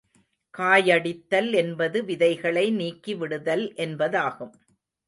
காயடித்தல் என்பது விதைகளை நீக்கிவிடுதல் என்பதாகும்.